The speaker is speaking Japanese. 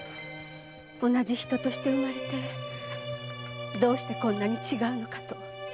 同じ人として生まれてどうしてこんなに違うのかと。